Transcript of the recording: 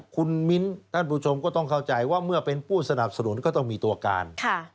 คุณมิ้นท่านผู้ชมก็ต้องเข้าใจว่าเมื่อเป็นผู้สนับสนุนก็ต้องมีตัวการ